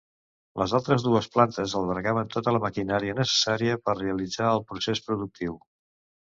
Les altres dues plantes albergaven tota la maquinària necessària per realitzar el procés productiu.